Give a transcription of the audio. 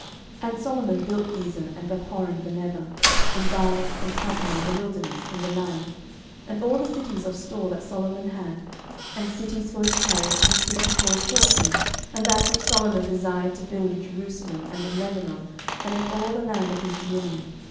11:009:017 And Solomon built Gezer, and Bethhoron the nether, 11:009:018 And Baalath, and Tadmor in the wilderness, in the land, 11:009:019 And all the cities of store that Solomon had, and cities for his chariots, and cities for his horsemen, and that which Solomon desired to build in Jerusalem, and in Lebanon, and in all the land of his dominion.